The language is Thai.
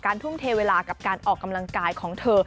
ทุ่มเทเวลากับการออกกำลังกายของเธอ